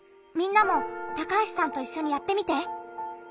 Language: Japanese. みんなも高橋さんといっしょにやってみて。